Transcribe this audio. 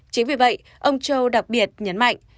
chính vì vậy ông châu đặc biệt nhấn mạnh